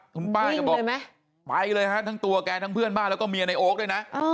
คุณป้าแกบอกไปเลยฮะทั้งตัวแกทั้งเพื่อนบ้านแล้วก็เมียในโอ๊คด้วยนะ